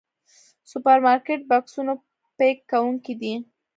سوپرمارکېټ بکسونو پيک کوونکي دي.